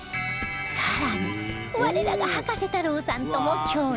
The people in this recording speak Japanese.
さらに我らが葉加瀬太郎さんとも共演